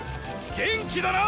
元気だな！